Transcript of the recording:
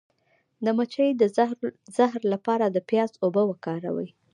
د مچۍ د زهر لپاره د پیاز اوبه وکاروئ